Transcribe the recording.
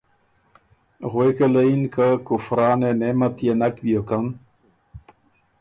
غوېکه له یِن که کُفرانِ نعمت يې نک بیوکن